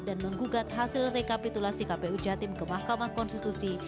dan menggugat hasil rekapitulasi kpu jatim ke mahkamah konstitusi